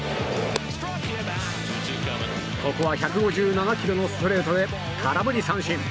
ここは１５７キロのストレートで空振り三振！